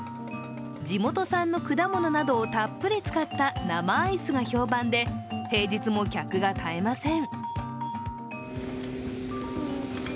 地元産の果物などをたっぷり使った生アイスが評判で、平日も客が絶えません。